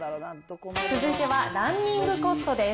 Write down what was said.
続いては、ランニングコストです。